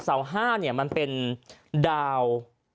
สาว๕มันเป็นดาว